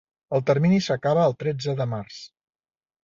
El termini s'acaba el tretze de març.